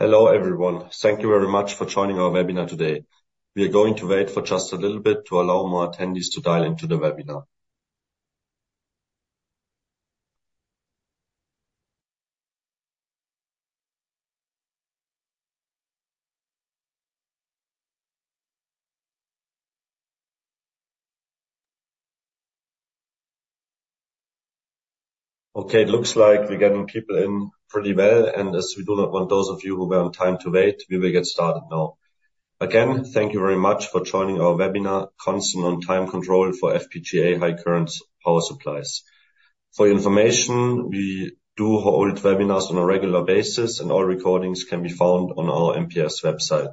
Hello, everyone. Thank you very much for joining our webinar today. We are going to wait for just a little bit to allow more attendees to dial into the webinar. Okay, it looks like we're getting people in pretty well, and as we do not want those of you who were on time to wait, we will get started now. Again, thank you very much for joining our webinar, Constant On-Time Control for FPGA High Current Power Supplies. For your information, we do hold webinars on a regular basis, and all recordings can be found on our MPS website.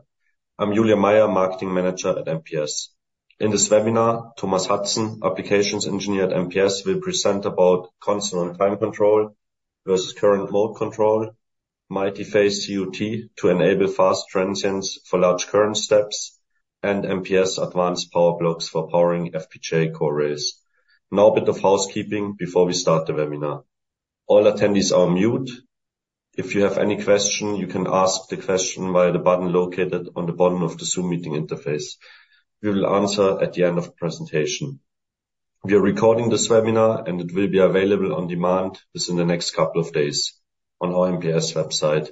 I'm Julian Meyer, Marketing Manager at MPS. In this webinar, Tomás Hudson, Applications Engineer at MPS, will present about constant on-time control versus current mode control, multi-phase COT to enable fast transients for large current steps, and MPS advanced power blocks for powering FPGA core rails. Now, a bit of housekeeping before we start the webinar. All attendees are on mute. If you have any question, you can ask the question via the button located on the bottom of the Zoom meeting interface. We will answer at the end of the presentation. We are recording this webinar, and it will be available on demand within the next couple of days on our MPS website.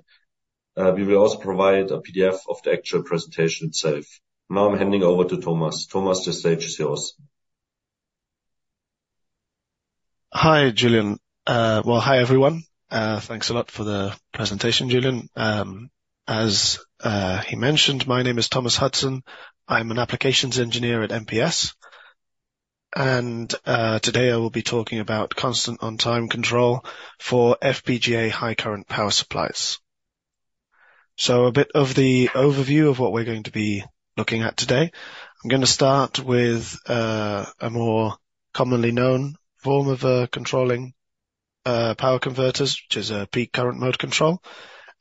We will also provide a PDF of the actual presentation itself. Now, I'm handing over to Tomás. Tomás, the stage is yours. Hi, Julian. Well, hi, everyone. Thanks a lot for the presentation, Julian. As he mentioned, my name is Tomás Hudson. I'm an applications engineer at MPS, and today I will be talking about constant on-time control for FPGA high current power supplies. A bit of the overview of what we're going to be looking at today. I'm gonna start with a more commonly known form of controlling power converters, which is peak current mode control.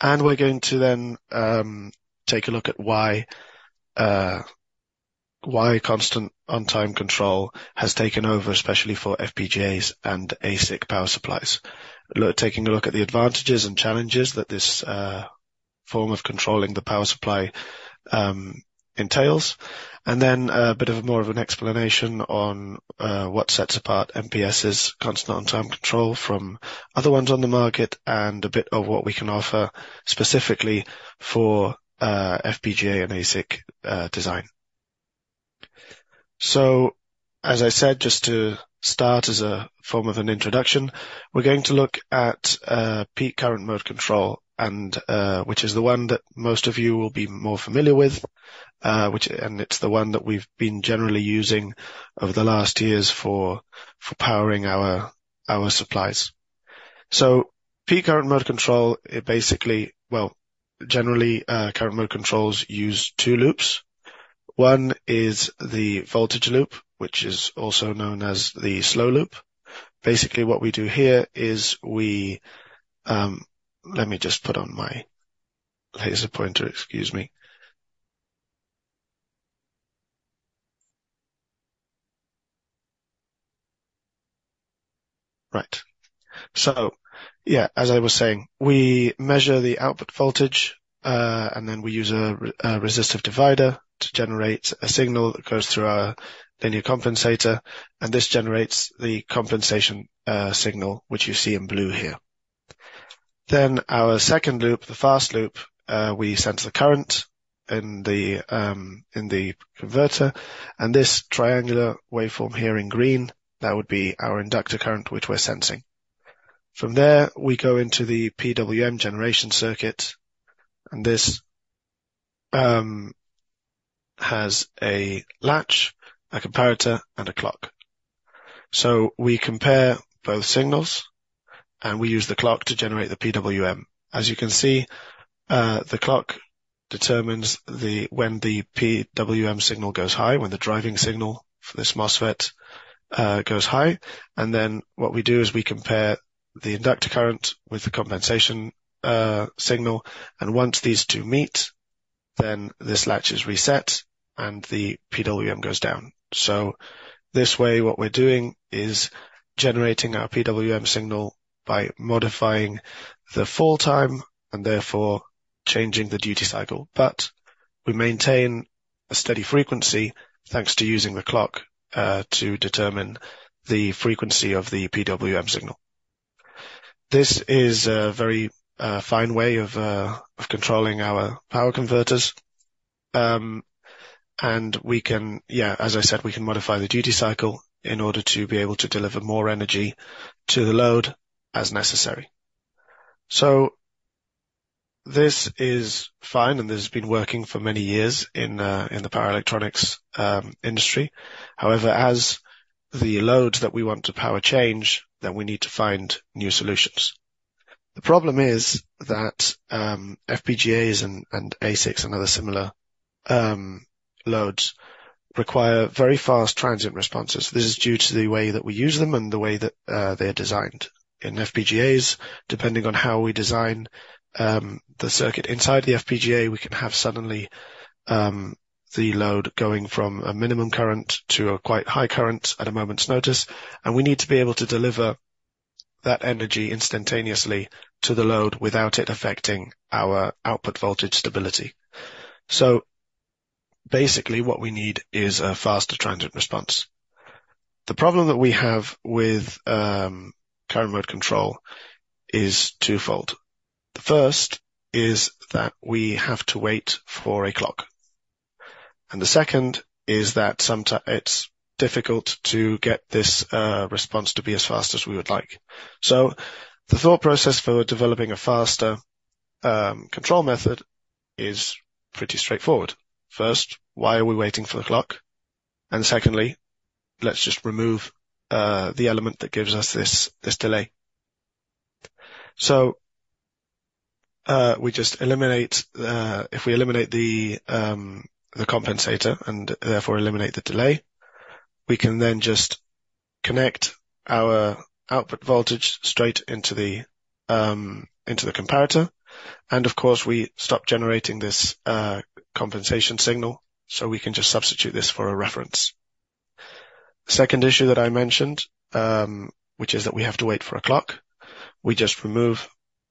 We're going to then take a look at why constant on-time control has taken over, especially for FPGAs and ASIC power supplies. Look, taking a look at the advantages and challenges that this form of controlling the power supply entails, and then a bit of a more of an explanation on what sets apart MPS's Constant On-Time Control from other ones on the market, and a bit of what we can offer specifically for FPGA and ASIC design. So, as I said, just to start as a form of an introduction, we're going to look at Peak Current Mode Control, which is the one that most of you will be more familiar with, and it's the one that we've been generally using over the last years for powering our supplies. So Peak Current Mode Control, it basically. Well, generally, current mode controls use two loops. One is the voltage loop, which is also known as the slow loop. Basically, what we do here is we. Let me just put on my laser pointer. Excuse me. Right. So yeah, as I was saying, we measure the output voltage, and then we use a resistive divider to generate a signal that goes through our linear compensator, and this generates the compensation signal, which you see in blue here. Then our second loop, the fast loop, we sense the current in the converter, and this triangular waveform here in green, that would be our inductor current, which we're sensing. From there, we go into the PWM generation circuit, and this has a latch, a comparator, and a clock. So we compare both signals, and we use the clock to generate the PWM. As you can see, the clock determines when the PWM signal goes high, when the driving signal for this MOSFET goes high, and then what we do is we compare the inductor current with the compensation signal, and once these two meet, then this latch is reset, and the PWM goes down. So this way, what we're doing is generating our PWM signal by modifying the fall time and therefore changing the duty cycle. But we maintain a steady frequency, thanks to using the clock to determine the frequency of the PWM signal. This is a very fine way of controlling our power converters, and we can... Yeah, as I said, we can modify the duty cycle in order to be able to deliver more energy to the load as necessary. So this is fine, and this has been working for many years in the power electronics industry. However, as the loads that we want to power change, then we need to find new solutions. The problem is that FPGAs and ASICs and other similar loads require very fast transient responses. This is due to the way that we use them and the way that they are designed. In FPGAs, depending on how we design the circuit inside the FPGA, we can have suddenly the load going from a minimum current to a quite high current at a moment's notice, and we need to be able to deliver that energy instantaneously to the load without it affecting our output voltage stability. So basically, what we need is a faster transient response. The problem that we have with current mode control is twofold. The first is that we have to wait for a clock, and the second is that it's difficult to get this response to be as fast as we would like. So the thought process for developing a faster control method is pretty straightforward. First, why are we waiting for the clock? And secondly, let's just remove the element that gives us this delay. So we just eliminate the... If we eliminate the compensator and therefore eliminate the delay, we can then just connect our output voltage straight into the comparator. And of course, we stop generating this compensation signal, so we can just substitute this for a reference. The second issue that I mentioned, which is that we have to wait for a clock. We just remove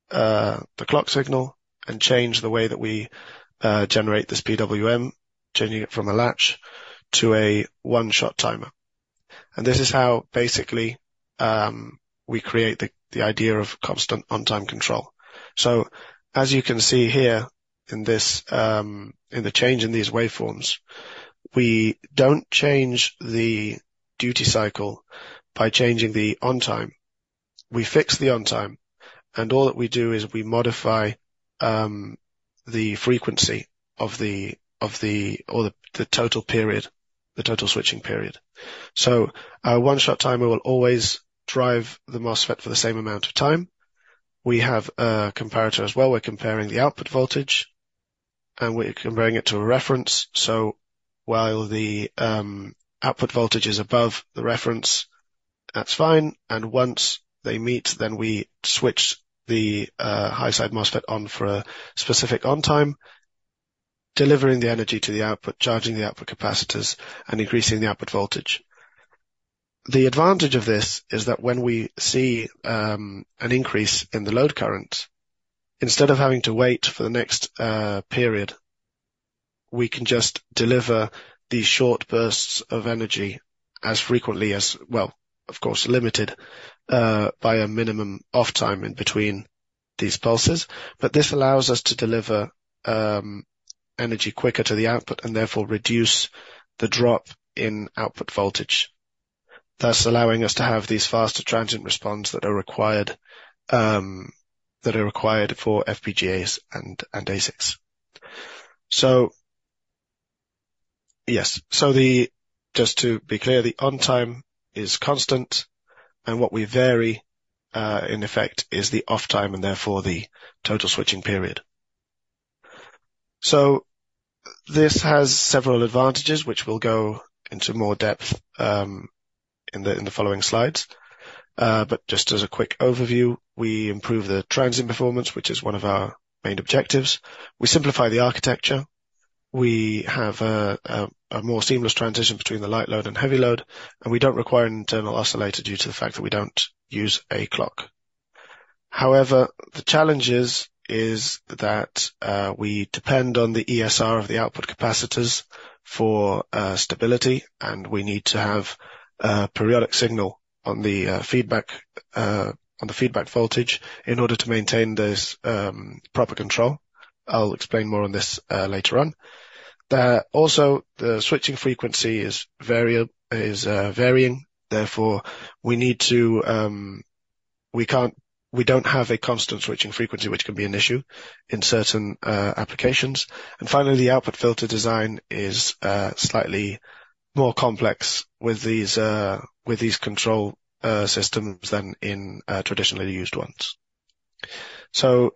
the clock signal and change the way that we generate this PWM, changing it from a latch to a one-shot timer. And this is how basically we create the idea of Constant On-Time Control. So as you can see here in the change in these waveforms, we don't change the duty cycle by changing the on-time. We fix the on-time, and all that we do is we modify the frequency or the total period, the total switching period. So our one-shot timer will always drive the MOSFET for the same amount of time. We have a comparator as well. We're comparing the output voltage, and we're comparing it to a reference. So while the output voltage is above the reference, that's fine, and once they meet, then we switch the high side MOSFET on for a specific on time, delivering the energy to the output, charging the output capacitors and increasing the output voltage. The advantage of this is that when we see an increase in the load current, instead of having to wait for the next period, we can just deliver these short bursts of energy as frequently as, well, of course, limited by a minimum off time in between these pulses. But this allows us to deliver energy quicker to the output and therefore reduce the drop in output voltage, thus allowing us to have these faster transient responds that are required, that are required for FPGAs and ASICs. So yes. So just to be clear, the on time is constant, and what we vary, in effect, is the off time and therefore the total switching period. So this has several advantages, which we'll go into more depth in the following slides. But just as a quick overview, we improve the transient performance, which is one of our main objectives. We simplify the architecture. We have a more seamless transition between the light load and heavy load, and we don't require an internal oscillator due to the fact that we don't use a clock. However, the challenge is that we depend on the ESR of the output capacitors for stability, and we need to have a periodic signal on the feedback voltage in order to maintain this proper control. I'll explain more on this later on. Also, the switching frequency is varying, therefore, we don't have a constant switching frequency, which can be an issue in certain applications. And finally, the output filter design is slightly more complex with these control systems than in traditionally used ones. So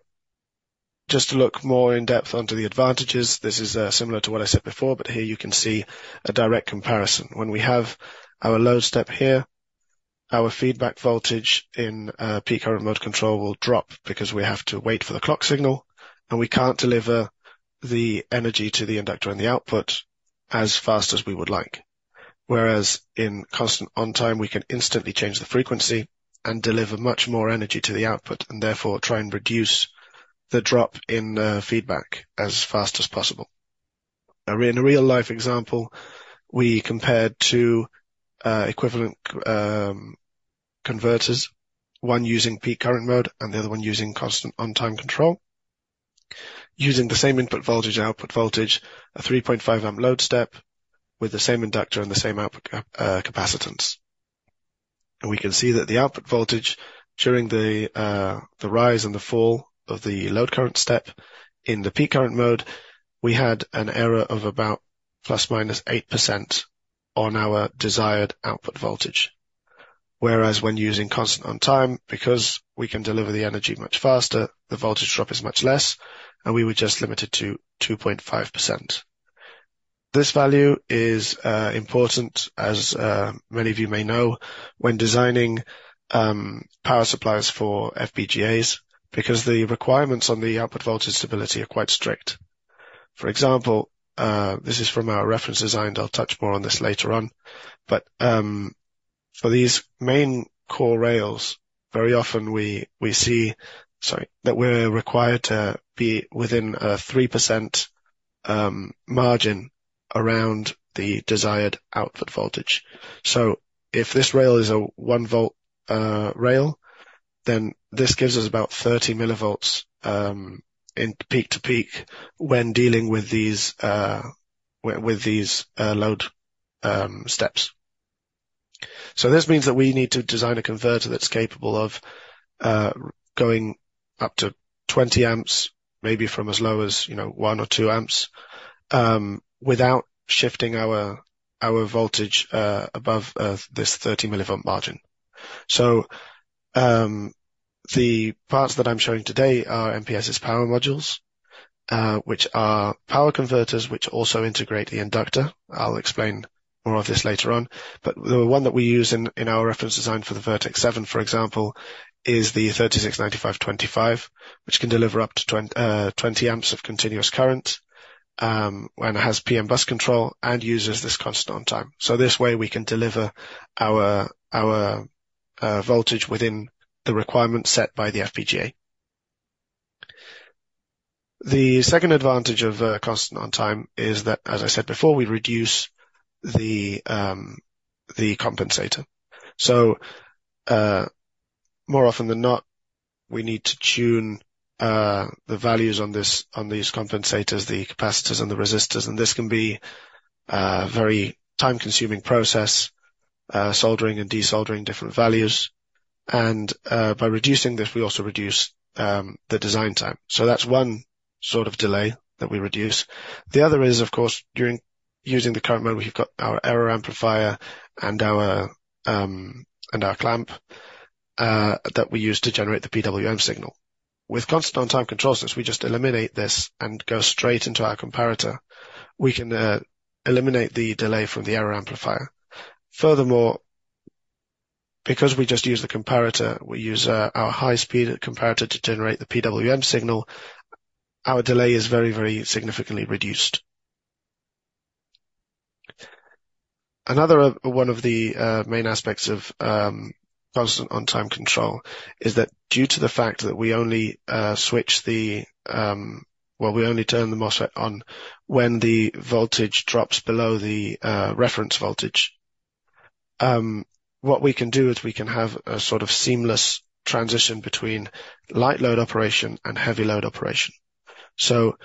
just to look more in depth onto the advantages, this is similar to what I said before, but here you can see a direct comparison. When we have our load step here, our feedback voltage in peak current mode control will drop because we have to wait for the clock signal, and we can't deliver the energy to the inductor and the output as fast as we would like. Whereas in constant on time, we can instantly change the frequency and deliver much more energy to the output, and therefore, try and reduce the drop in the feedback as fast as possible. In a real-life example, we compared two equivalent converters, one using peak current mode and the other one using constant on-time control. Using the same input voltage and output voltage, a 3.5-amp load step with the same inductor and the same output capacitance. We can see that the output voltage during the rise and the fall of the load current step in the peak current mode, we had an error of about ±8% on our desired output voltage. Whereas when using constant on-time, because we can deliver the energy much faster, the voltage drop is much less, and we were just limited to 2.5%. This value is important, as many of you may know, when designing power supplies for FPGAs, because the requirements on the output voltage stability are quite strict. For example, this is from our reference design, and I'll touch more on this later on. But, for these main core rails, very often we see, sorry, that we're required to be within a 3% margin around the desired output voltage. So if this rail is a 1 V rail, then this gives us about 30 mV in peak-to-peak when dealing with these load steps. So this means that we need to design a converter that's capable of going up to 20 A, maybe from as low as, you know, 1 amp or 2 A, without shifting our voltage above this 30 mV margin. The parts that I'm showing today are MPS's power modules, which are power converters, which also integrate the inductor. I'll explain more of this later on, but the one that we use in our reference design for the Virtex-7, for example, is the 3695-25, which can deliver up to 20 A of continuous current, and it has PMBus control and uses this constant on-time. So this way, we can deliver our voltage within the requirements set by the FPGA. The second advantage of constant on-time is that, as I said before, we reduce the compensator. So, more often than not, we need to tune the values on this, on these compensators, the capacitors and the resistors, and this can be a very time-consuming process, soldering and desoldering different values. By reducing this, we also reduce the design time. So that's one sort of delay that we reduce. The other is, of course, during using the current mode, we've got our error amplifier and our, and our clamp that we use to generate the PWM signal. With constant on-time control, since we just eliminate this and go straight into our comparator, we can eliminate the delay from the error amplifier. Furthermore, because we just use the comparator, we use our high-speed comparator to generate the PWM signal, our delay is very, very significantly reduced. Another one of the main aspects of constant on-time control is that due to the fact that we only switch the. Well, we only turn the MOSFET on when the voltage drops below the reference voltage. What we can do is we can have a sort of seamless transition between light load operation and heavy load operation. So,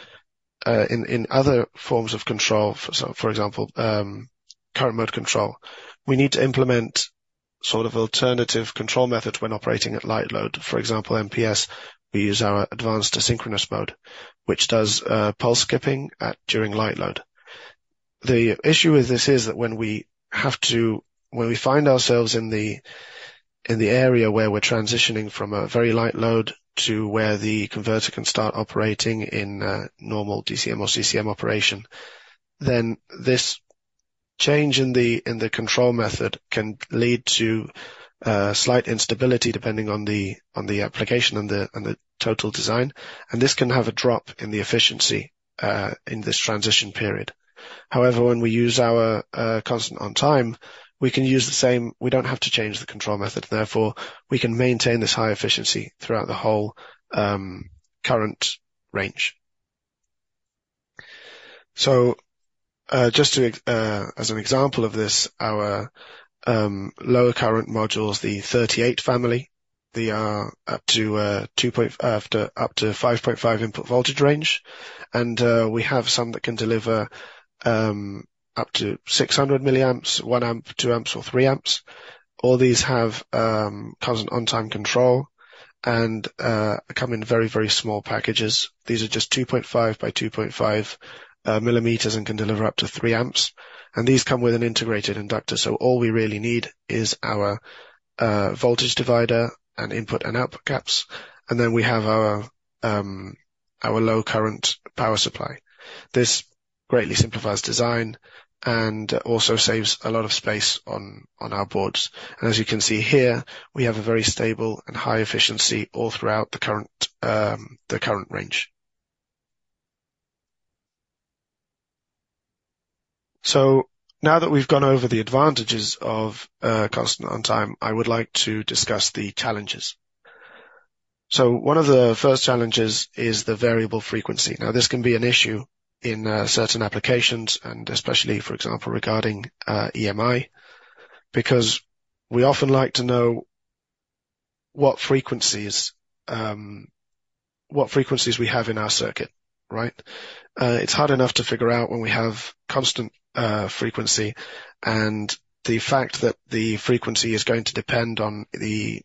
in other forms of control, for example, current mode control, we need to implement sort of alternative control methods when operating at light load. For example, MPS, we use our advanced asynchronous mode, which does pulse skipping during light load. The issue with this is that when we find ourselves in the area where we're transitioning from a very light load to where the converter can start operating in normal DCM or CCM operation, then this change in the control method can lead to slight instability, depending on the application and the total design, and this can have a drop in the efficiency in this transition period. However, when we use our constant on-time, we can use the same. We don't have to change the control method, therefore, we can maintain this high efficiency throughout the whole current range. So, just to as an example of this, our lower current modules, the 38 family, they are up to 5.5 input voltage range, and we have some that can deliver up to 600 mA, 1 A, 2 A, or 3 A. All these have constant on-time control and come in very, very small packages. These are just 2.5 by 2.5 mm and can deliver up to 3 A, and these come with an integrated inductor. So all we really need is our voltage divider and input and output caps, and then we have our low current power supply. This greatly simplifies design and also saves a lot of space on our boards. As you can see here, we have a very stable and high efficiency all throughout the current, the current range. Now that we've gone over the advantages of constant on time, I would like to discuss the challenges. One of the first challenges is the variable frequency. Now, this can be an issue in certain applications, and especially, for example, regarding EMI, because we often like to know what frequencies, what frequencies we have in our circuit, right? It's hard enough to figure out when we have constant frequency and the fact that the frequency is going to depend on the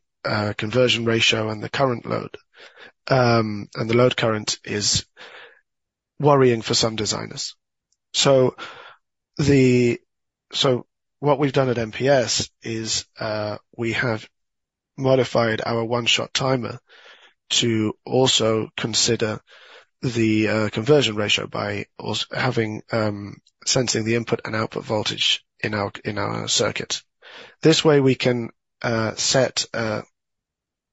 conversion ratio and the current load, and the load current is worrying for some designers. So what we've done at MPS is, we have modified our one-shot timer to also consider the conversion ratio by also having sensing the input and output voltage in our circuit. This way, we can set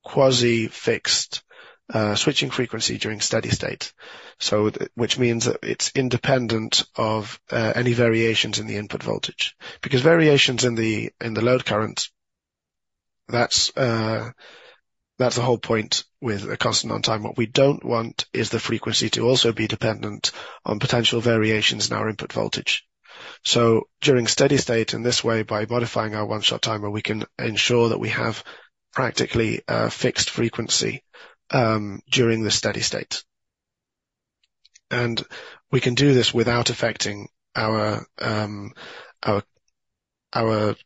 quasi-fixed switching frequency during steady state. So, which means that it's independent of any variations in the input voltage. Because variations in the load current, that's the whole point with a constant on time. What we don't want is the frequency to also be dependent on potential variations in our input voltage. So during steady state, in this way, by modifying our one-shot timer, we can ensure that we have practically a fixed frequency during the steady state. We can do this without affecting our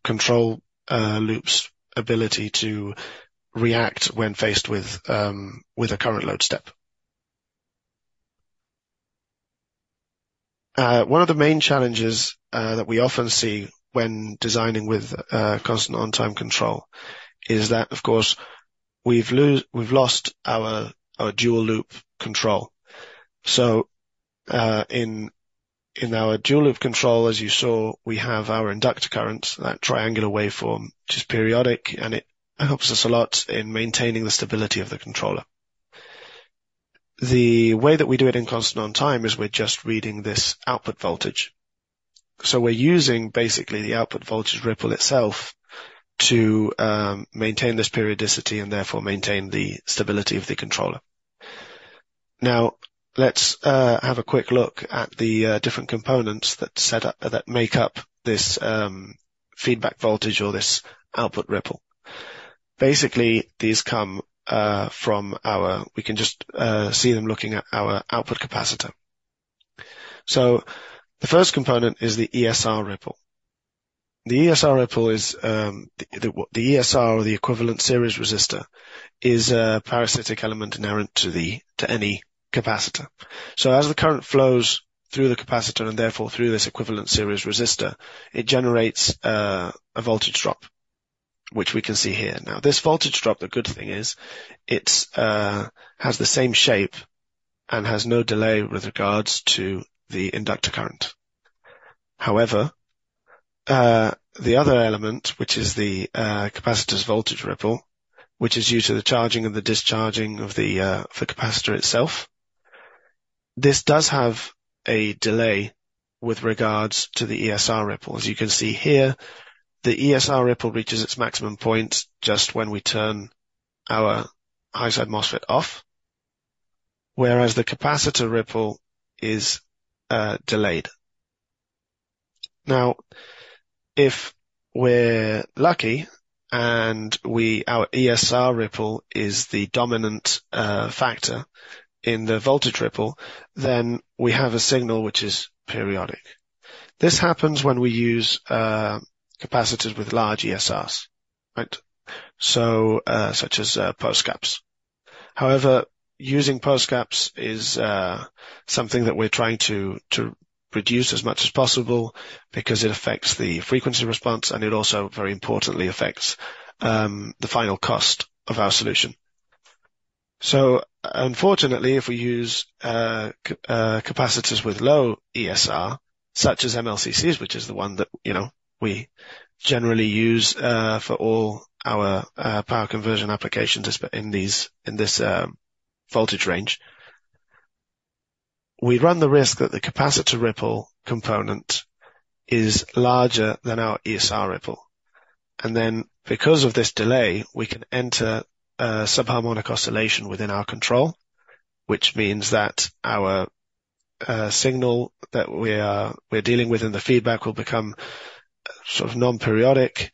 control loop's ability to react when faced with a current load step. One of the main challenges that we often see when designing with constant on-time control is that, of course, we've lost our dual loop control. So, in our dual loop control, as you saw, we have our inductor current, that triangular waveform, which is periodic, and it helps us a lot in maintaining the stability of the controller. The way that we do it in constant on time is we're just reading this output voltage. So we're using basically the output voltage ripple itself to maintain this periodicity and therefore maintain the stability of the controller. Now, let's have a quick look at the different components that set up... That make up this feedback voltage or this output ripple. Basically, these come from our output capacitor. We can just see them looking at our output capacitor. So the first component is the ESR ripple. The ESR ripple is the ESR or the equivalent series resistor, is a parasitic element inherent to any capacitor. So as the current flows through the capacitor and therefore through this equivalent series resistor, it generates a voltage drop, which we can see here. Now, this voltage drop, the good thing is, it has the same shape and has no delay with regards to the inductor current. However, the other element, which is the capacitor's voltage ripple, which is due to the charging and the discharging of the capacitor itself. This does have a delay with regards to the ESR ripple. As you can see here, the ESR ripple reaches its maximum point just when we turn our high side MOSFET off, whereas the capacitor ripple is delayed. Now, if we're lucky our ESR ripple is the dominant factor in the voltage ripple, then we have a signal which is periodic. This happens when we use capacitors with large ESRs, right? So, such as POSCAPs. However, using POSCAPs is something that we're trying to reduce as much as possible because it affects the frequency response, and it also, very importantly, affects the final cost of our solution. So unfortunately, if we use capacitors with low ESR, such as MLCCs, which is the one that, you know, we generally use for all our power conversion applications, in these, in this voltage range, we run the risk that the capacitor ripple component is larger than our ESR ripple. And then, because of this delay, we can enter a subharmonic oscillation within our control, which means that our signal that we are, we're dealing with in the feedback will become sort of non-periodic,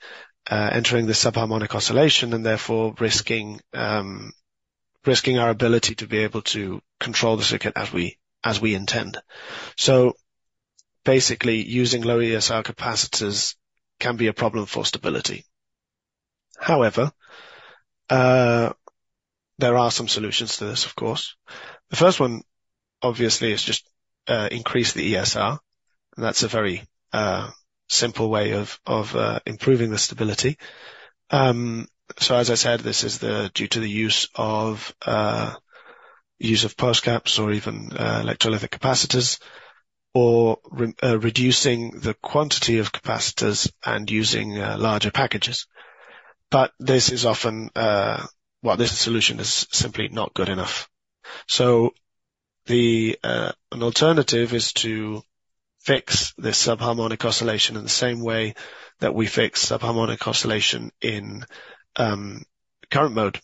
entering this subharmonic oscillation and therefore risking our ability to be able to control the circuit as we intend. So basically, using low ESR capacitors can be a problem for stability. However, there are some solutions to this, of course. The first one, obviously, is just increase the ESR, and that's a very simple way of improving the stability. So as I said, this is due to the use of POSCAPs or even electrolytic capacitors, or reducing the quantity of capacitors and using larger packages. But this is often... Well, this solution is simply not good enough. So an alternative is to fix this subharmonic oscillation in the same way that we fix subharmonic oscillation in current-mode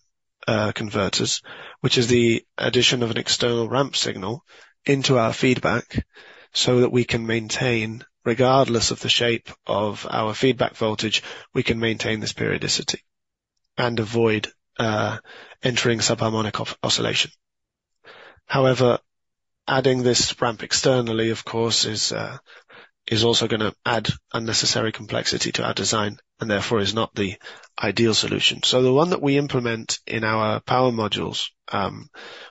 converters, which is the addition of an external ramp signal into our feedback, so that we can maintain, regardless of the shape of our feedback voltage, we can maintain this periodicity and avoid entering subharmonic oscillation. However, adding this ramp externally, of course, is also gonna add unnecessary complexity to our design and therefore is not the ideal solution. So the one that we implement in our power modules,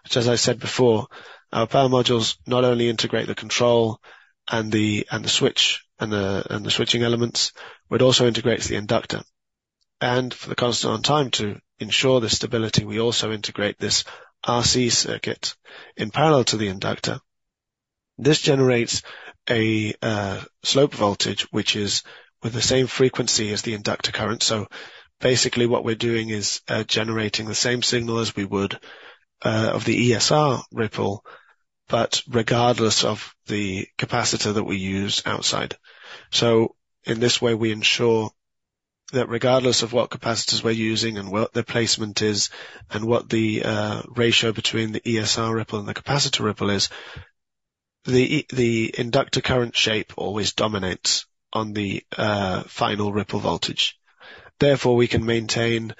which, as I said before, our power modules not only integrate the control and the switch and the switching elements, but it also integrates the inductor. And for the constant on-time to ensure the stability, we also integrate this RC circuit in parallel to the inductor. This generates a slope voltage, which is with the same frequency as the inductor current. So basically, what we're doing is generating the same signal as we would of the ESR ripple, but regardless of the capacitor that we use outside. So in this way, we ensure that regardless of what capacitors we're using and what their placement is, and what the ratio between the ESR ripple and the capacitor ripple is, the inductor current shape always dominates on the final ripple voltage. Therefore, we can maintain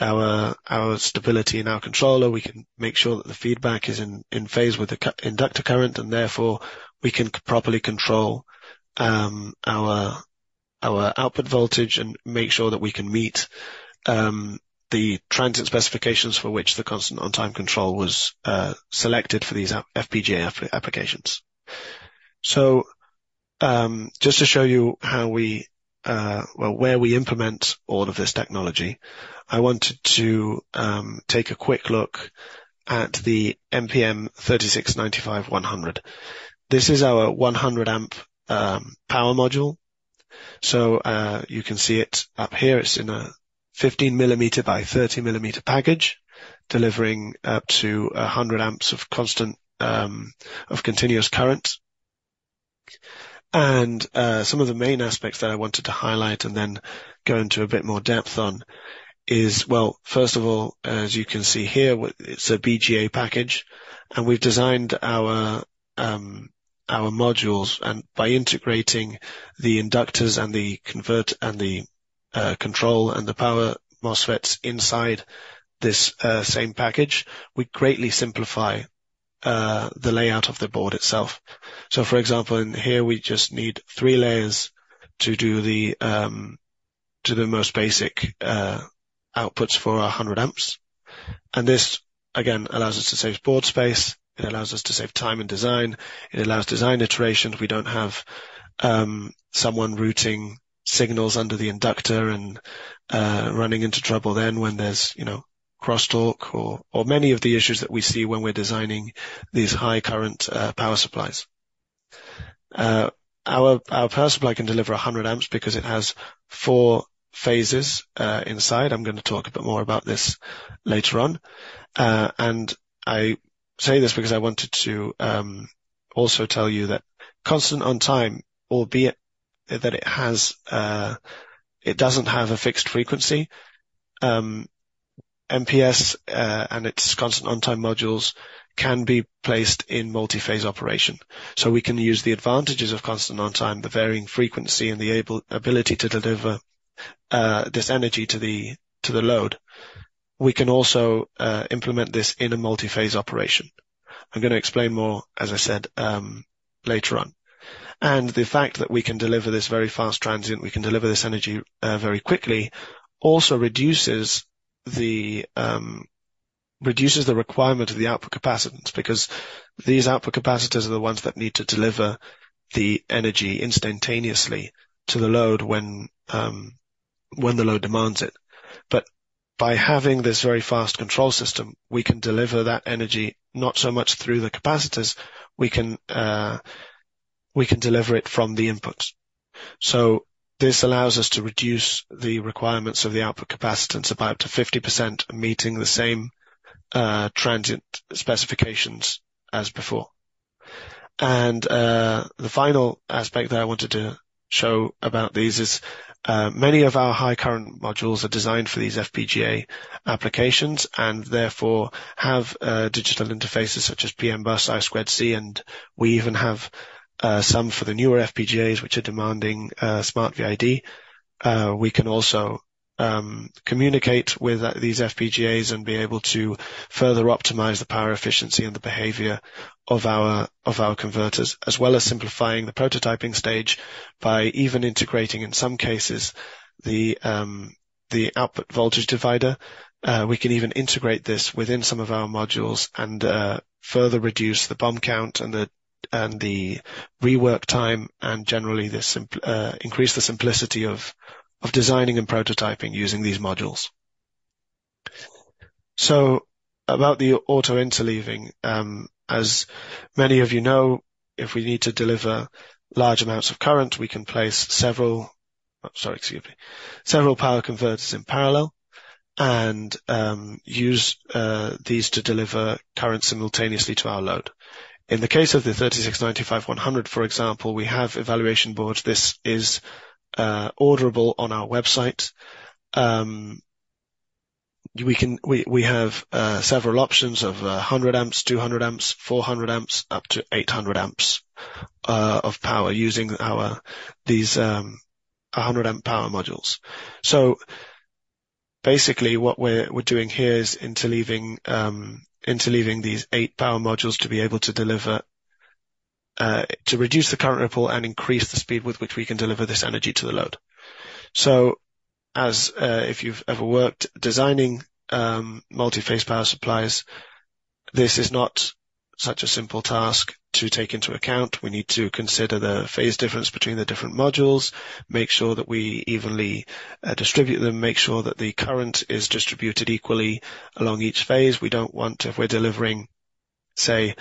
our stability in our controller. We can make sure that the feedback is in phase with the inductor current, and therefore, we can properly control our output voltage and make sure that we can meet the transient specifications for which the constant on-time control was selected for these FPGA applications. So, just to show you how we, well, where we implement all of this technology, I wanted to take a quick look at the MPM3695-100. This is our 100-amp power module. So, you can see it up here. It's in a 15 mm by 30 mm package, delivering up to 100 A of constant, of continuous current. And, some of the main aspects that I wanted to highlight and then go into a bit more depth on is. Well, first of all, as you can see here, it's a BGA package, and we've designed our our modules, and by integrating the inductors and the convert, and the control, and the power MOSFETs inside this same package, we greatly simplify the layout of the board itself. So for example, in here, we just need three layers to do the most basic outputs for our 100 A. And this, again, allows us to save board space, it allows us to save time and design, it allows design iterations. We don't have someone routing signals under the inductor and running into trouble then when there's, you know, crosstalk or many of the issues that we see when we're designing these high current power supplies. Our power supply can deliver 100 A because it has four phases inside. I'm gonna talk a bit more about this later on. And I say this because I wanted to also tell you that constant on-time, albeit that it has it doesn't have a fixed frequency, MPS and its constant on-time modules can be placed in multi-phase operation. So we can use the advantages of constant on-time, the varying frequency, and the ability to deliver this energy to the load. We can also implement this in a multi-phase operation. I'm gonna explain more, as I said, later on. The fact that we can deliver this very fast transient, we can deliver this energy very quickly, also reduces the requirement of the output capacitance, because these output capacitors are the ones that need to deliver the energy instantaneously to the load when the load demands it. By having this very fast control system, we can deliver that energy, not so much through the capacitors, we can deliver it from the inputs. This allows us to reduce the requirements of the output capacitance about to 50%, meeting the same transient specifications as before. The final aspect that I wanted to show about these is many of our high current modules are designed for these FPGA applications and therefore have digital interfaces such as PMBus, I2C, and we even have some for the newer FPGAs, which are demanding SmartVID. We can also communicate with these FPGAs and be able to further optimize the power efficiency and the behavior of our, of our converters, as well as simplifying the prototyping stage by even integrating, in some cases, the output voltage divider. We can even integrate this within some of our modules and further reduce the BOM count and the rework time, and generally increase the simplicity of, of designing and prototyping using these modules. So about the auto interleaving. As many of you know, if we need to deliver large amounts of current, we can place several... Sorry, excuse me. Several power converters in parallel and use these to deliver current simultaneously to our load. In the case of the 3695-100, for example, we have evaluation boards. This is orderable on our website. We can, we have several options of 100 A, 200 A, 400 A, up to 800 A of power using these a 100 A power modules. So basically, what we're doing here is interleaving these eight power modules to be able to deliver to reduce the current ripple and increase the speed with which we can deliver this energy to the load. So as if you've ever worked designing multi-phase power supplies, this is not such a simple task to take into account. We need to consider the phase difference between the different modules, make sure that we evenly distribute them, make sure that the current is distributed equally along each phase. We don't want, if we're delivering say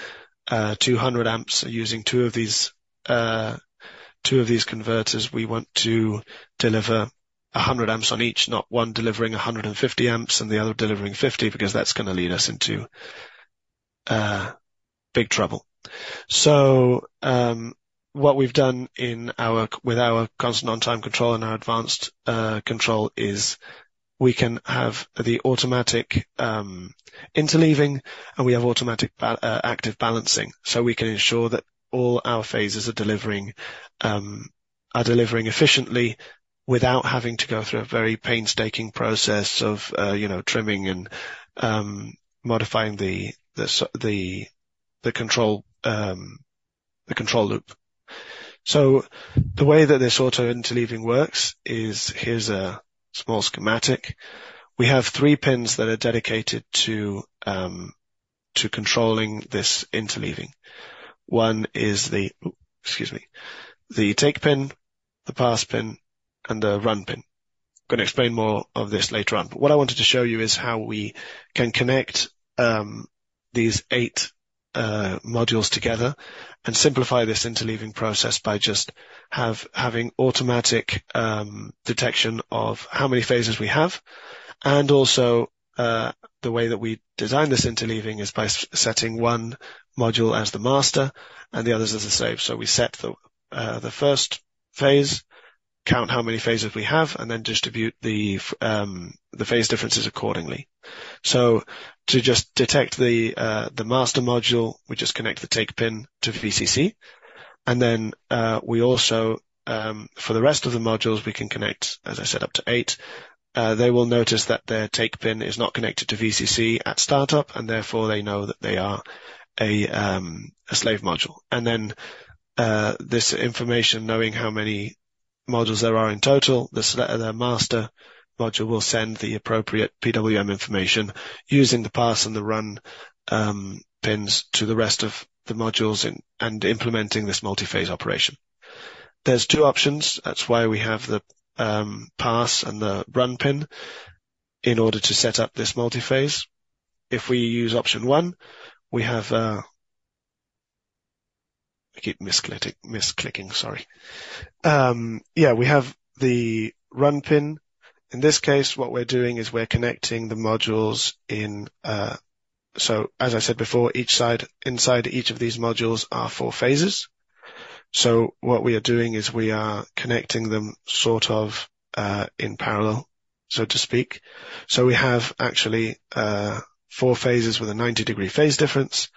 200 A using two of these two of these converters, we want to deliver 100 A on each, not one delivering 150 A and the other delivering 50 A, because that's gonna lead us into big trouble. So what we've done in our, with our constant on-time control and our advanced control is we can have the automatic interleaving, and we have automatic active balancing. So we can ensure that all our phases are delivering efficiently without having to go through a very painstaking process of, you know, trimming and modifying the control loop. So the way that this auto interleaving works is, here's a small schematic. We have three pins that are dedicated to controlling this interleaving. One is the take pin, the pass pin, and the run pin. Excuse me. Gonna explain more of this later on, but what I wanted to show you is how we can connect these eight modules together and simplify this interleaving process by just having automatic detection of how many phases we have. And also, the way that we design this interleaving is by setting one module as the master and the others as the slave. So we set the the first phase, count how many phases we have, and then distribute the phase differences accordingly. So to just detect the master module, we just connect the take pin to VCC, and then we also, for the rest of the modules, we can connect, as I said, up to eight. They will notice that their take pin is not connected to VCC at startup, and therefore, they know that they are a slave module. And then this information, knowing how many modules there are in total, the master module will send the appropriate PWM information using the pass and the run pins to the rest of the modules and implementing this multi-phase operation. There's two options. That's why we have the pass and the run pin in order to set up this multi-phase. If we use option 1, we have... I keep misclicking. Sorry. Yeah, we have the run pin. In this case, what we're doing is we're connecting the modules in, so as I said before, each side, inside each of these modules are four phases. So what we are doing is we are connecting them sort of in parallel, so to speak. So we have actually four phases with a 90° phase difference,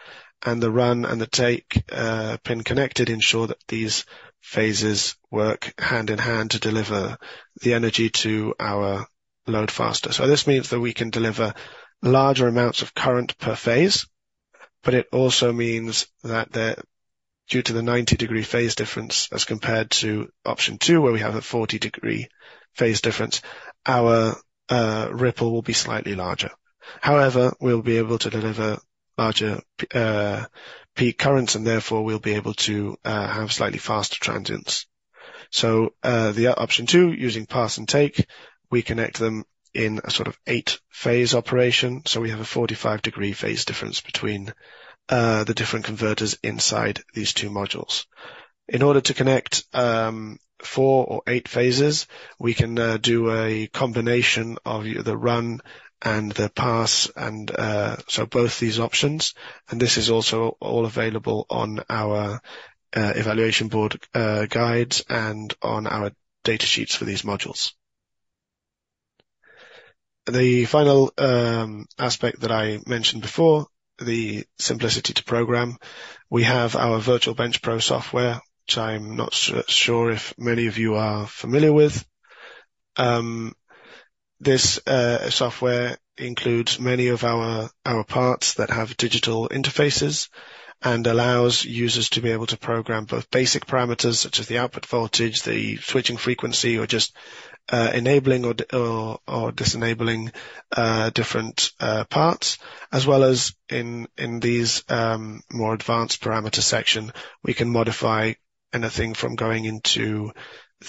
and the run and the take pin connected ensure that these phases work hand in hand to deliver the energy to our load faster. So this means that we can deliver larger amounts of current per phase, but it also means that the, due to the 90-degree phase difference, as compared to option two, where we have a 40-degree phase difference, our ripple will be slightly larger. However, we'll be able to deliver larger peak currents, and therefore, we'll be able to have slightly faster transients. So, the option two, using pass and take, we connect them in a sort of eight-phase operation, so we have a 45-degree phase difference between the different converters inside these two modules. In order to connect four or eight phases, we can do a combination of the run and the pass and so both these options, and this is also all available on our evaluation board guides and on our data sheets for these modules. The final aspect that I mentioned before, the simplicity to program. We have our Virtual Bench Pro software, which I'm not sure if many of you are familiar with. This software includes many of our parts that have digital interfaces and allows users to be able to program both basic parameters such as the output voltage, the switching frequency, or just enabling or disabling different parts, as well as in these more advanced parameter section, we can modify anything from going into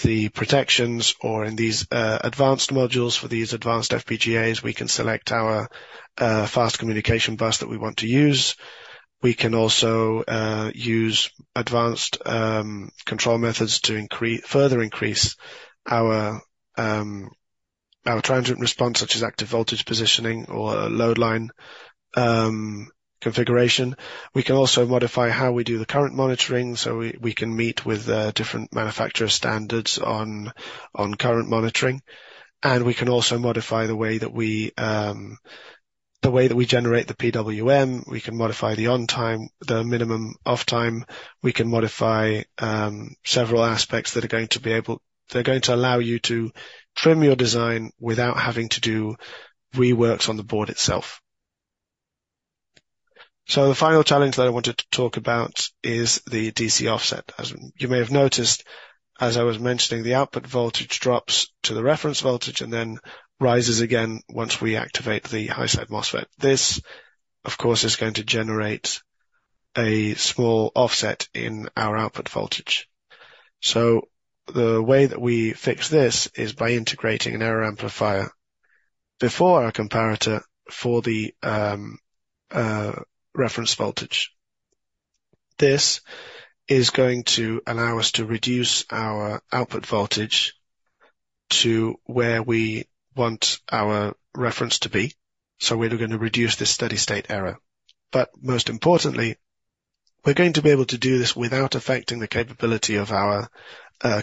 the protections or in these advanced modules for these advanced FPGAs, we can select our fast communication bus that we want to use. We can also use advanced control methods to increase, further increase our transient response, such as active voltage positioning or load line configuration. We can also modify how we do the current monitoring, so we, we can meet with, different manufacturer standards on, on current monitoring, and we can also modify the way that we, the way that we generate the PWM. We can modify the on time, the minimum off time. We can modify, several aspects that are going to be able... They're going to allow you to trim your design without having to do reworks on the board itself. So the final challenge that I wanted to talk about is the DC offset. As you may have noticed, as I was mentioning, the output voltage drops to the reference voltage and then rises again once we activate the high-side MOSFET. This, of course, is going to generate a small offset in our output voltage. So the way that we fix this is by integrating an error amplifier.... Before our comparator for the reference voltage. This is going to allow us to reduce our output voltage to where we want our reference to be. So we're going to reduce this steady state error. But most importantly, we're going to be able to do this without affecting the capability of our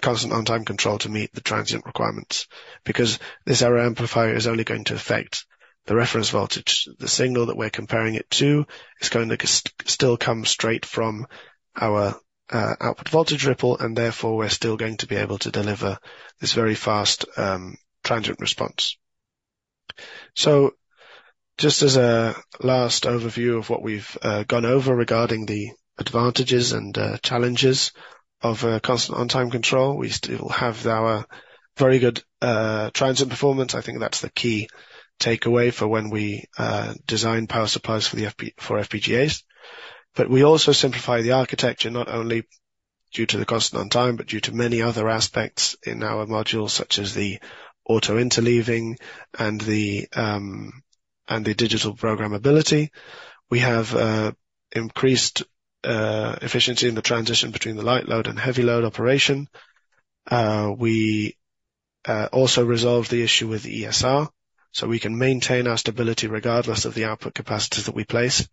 constant on-time control to meet the transient requirements, because this error amplifier is only going to affect the reference voltage. The signal that we're comparing it to is going to still come straight from our output voltage ripple, and therefore, we're still going to be able to deliver this very fast transient response. So just as a last overview of what we've gone over regarding the advantages and challenges of constant on-time control, we still have our very good transient performance. I think that's the key takeaway for when we design power supplies for the FP... for FPGAs. But we also simplify the architecture, not only due to the constant on time, but due to many other aspects in our modules, such as the auto interleaving and the and the digital programmability. We have increased efficiency in the transition between the light load and heavy load operation. We also resolved the issue with the ESR, so we can maintain our stability regardless of the output capacitors that we place.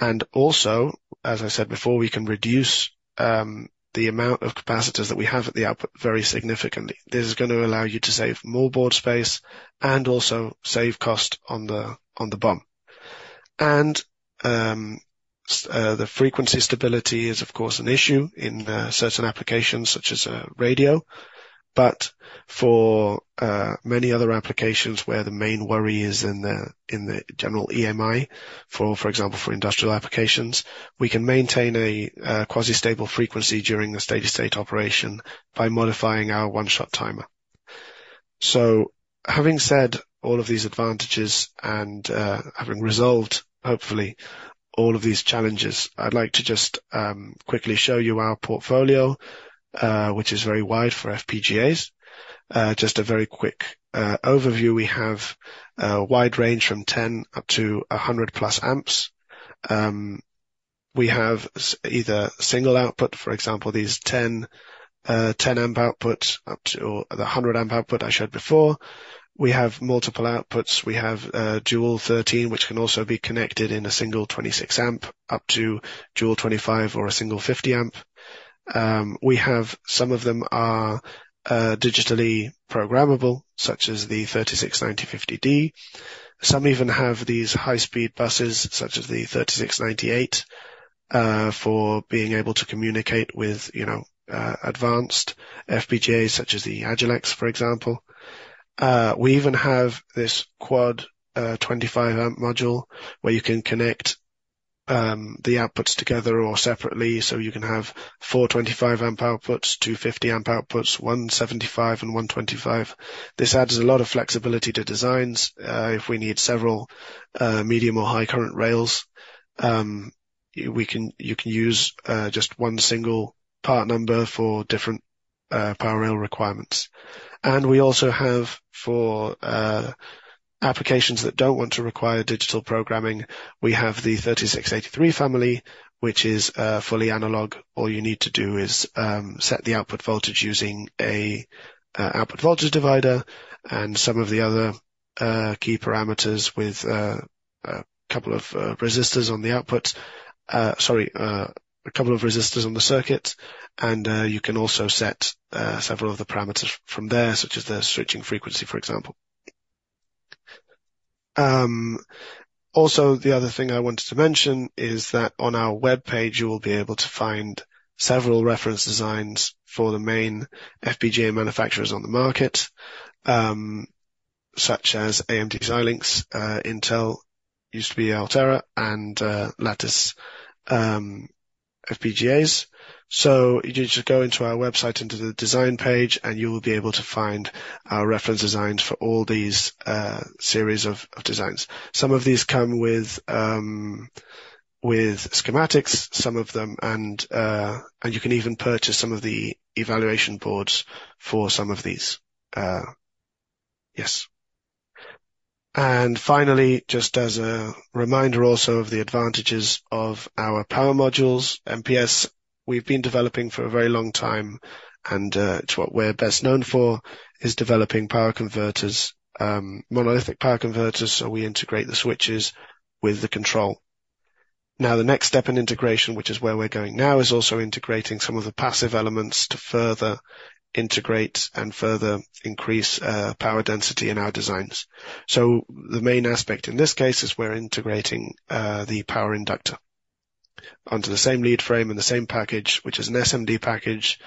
And also, as I said before, we can reduce the amount of capacitors that we have at the output very significantly. This is gonna allow you to save more board space and also save cost on the on the BOM. The frequency stability is, of course, an issue in certain applications, such as radio, but for many other applications where the main worry is the general EMI, for example, for industrial applications, we can maintain a quasi-stable frequency during the steady state operation by modifying our one-shot timer. So having said all of these advantages and having resolved, hopefully, all of these challenges, I'd like to just quickly show you our portfolio, which is very wide for FPGAs. Just a very quick overview. We have a wide range from 10 up to 100+ A. We have either single output, for example, these 10-amp output up to... or the 100-amp output I showed before. We have multiple outputs. We have dual 13, which can also be connected in a single 26 amp, up to dual 25 amp or a single 50 amp. We have some of them are digitally programmable, such as the 3695-50D. Some even have these high-speed buses, such as the 3698, for being able to communicate with, you know, advanced FPGAs, such as the Agilex, for example. We even have this quad 25 amp module, where you can connect the outputs together or separately, so you can have four 25 amp outputs, two 50 amp outputs, one 75 ampamp and one 25. This adds a lot of flexibility to designs. If we need several medium or high current rails, we can you can use just one single part number for different power rail requirements. And we also have for applications that don't want to require digital programming, we have the 3683 family, which is fully analog. All you need to do is set the output voltage using a output voltage divider and some of the other key parameters with a couple of resistors on the output. Sorry, a couple of resistors on the circuit, and you can also set several of the parameters from there, such as the switching frequency, for example. Also, the other thing I wanted to mention is that on our webpage, you will be able to find several reference designs for the main FPGA manufacturers on the market, such as AMD Xilinx, Intel, used to be Altera, and Lattice FPGAs. So you just go into our website, into the design page, and you will be able to find our reference designs for all these, series of designs. Some of these come with, with schematics, some of them, and, and you can even purchase some of the evaluation boards for some of these. Yes. And finally, just as a reminder also of the advantages of our power modules, MPS, we've been developing for a very long time, and, it's what we're best known for, is developing power converters, monolithic power converters, so we integrate the switches with the control. Now, the next step in integration, which is where we're going now, is also integrating some of the passive elements to further integrate and further increase, power density in our designs. The main aspect in this case is we're integrating the power inductor onto the same lead frame and the same package, which is an SMD package.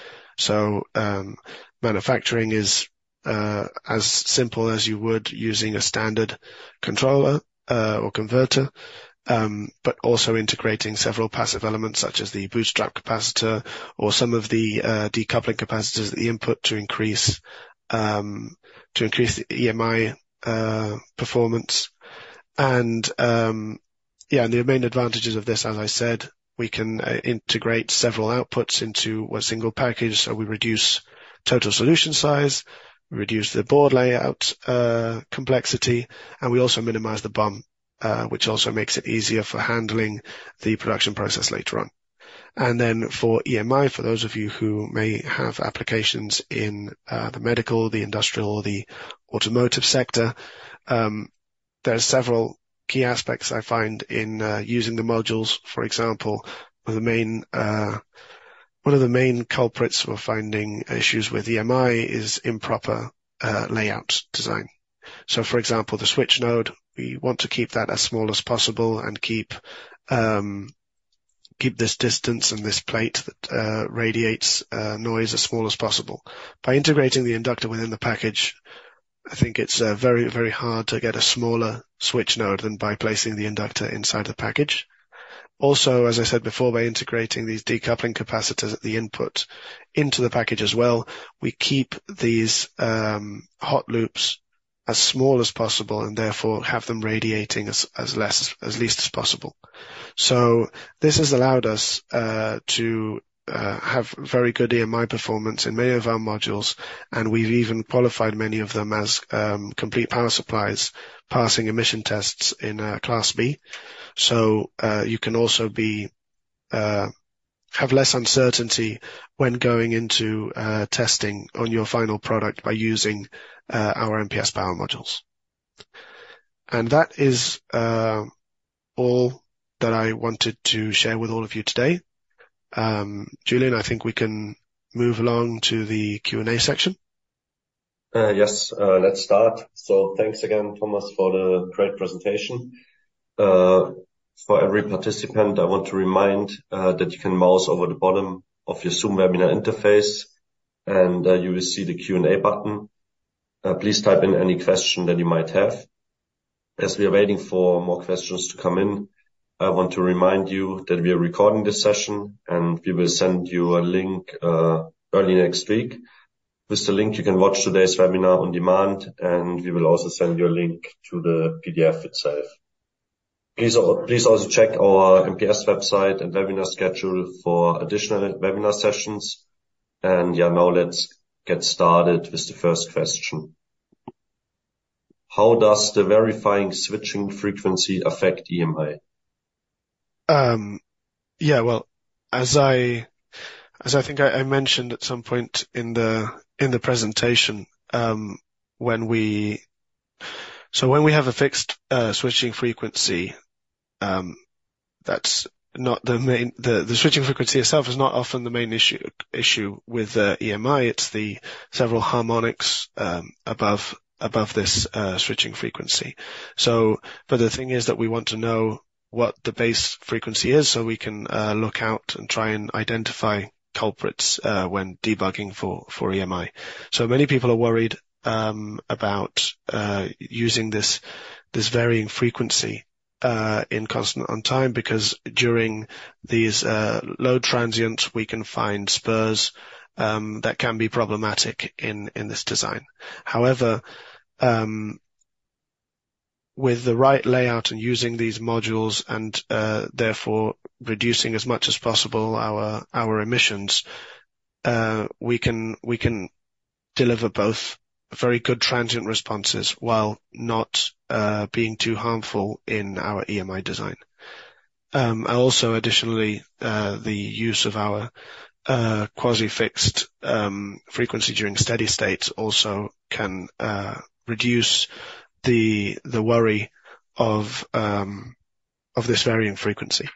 Manufacturing is as simple as you would using a standard controller or converter, but also integrating several passive elements, such as the bootstrap capacitor or some of the decoupling capacitors at the input to increase the EMI performance. The main advantages of this, as I said, we can integrate several outputs into a single package, so we reduce total solution size, we reduce the board layout complexity, and we also minimize the BOM, which also makes it easier for handling the production process later on. And then for EMI, for those of you who may have applications in the medical, the industrial, or the automotive sector, there are several key aspects I find in using the modules. For example, the main one of the main culprits we're finding issues with EMI is improper layout design. So for example, the switch node, we want to keep that as small as possible and keep this distance and this plate that radiates noise as small as possible. By integrating the inductor within the package, I think it's very, very hard to get a smaller switch node than by placing the inductor inside the package. Also, as I said before, by integrating these decoupling capacitors at the input into the package as well, we keep these hot loops as small as possible and therefore have them radiating as least as possible. So this has allowed us to have very good EMI performance in many of our modules, and we've even qualified many of them as complete power supplies, passing emission tests in Class B. So you can also have less uncertainty when going into testing on your final product by using our MPS power modules. And that is all that I wanted to share with all of you today. Julian, I think we can move along to the Q&A section. Yes, let's start. So thanks again, Tomás, for the great presentation. For every participant, I want to remind that you can mouse over the bottom of your Zoom webinar interface, and you will see the Q&A button. Please type in any question that you might have. As we are waiting for more questions to come in, I want to remind you that we are recording this session, and we will send you a link early next week. With the link, you can watch today's webinar on demand, and we will also send you a link to the PDF itself. Please also check our MPS website and webinar schedule for additional webinar sessions. Now let's get started with the first question: How does the varying switching frequency affect EMI? Yeah, well, as I think I mentioned at some point in the presentation, when we have a fixed switching frequency, that's not the main—the switching frequency itself is not often the main issue with EMI, it's the several harmonics above this switching frequency. But the thing is that we want to know what the base frequency is, so we can look out and try and identify culprits when debugging for EMI. So many people are worried about using this varying frequency in constant on time, because during these load transients, we can find spurs that can be problematic in this design. However, with the right layout and using these modules and, therefore, reducing as much as possible our emissions, we can deliver both very good transient responses while not being too harmful in our EMI design. And also additionally, the use of our quasi-fixed frequency during steady states also can reduce the worry of this varying frequency.